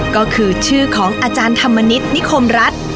ก็คือชื่อของอาจารย์ธรรมนิษฐนิคมรัฐ